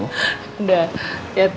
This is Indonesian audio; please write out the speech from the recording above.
fokus di kantor ya